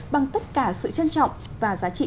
bằng tất cả sự trân trọng và giá trị